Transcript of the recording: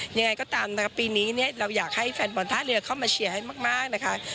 ยังไงก็ตามนะครับปีนี้เนี่ยเราอยากให้แฟนบอลท่าเรือเข้ามาเชียร์ให้มากนะคะ